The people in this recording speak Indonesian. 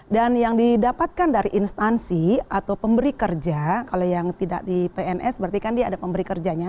dan yang didapatkan dari instansi atau pemberi kerja kalau yang tidak di pns berarti kan dia ada pemberi kerjanya